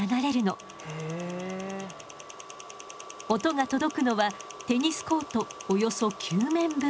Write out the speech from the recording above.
音が届くのはテニスコートおよそ９面分。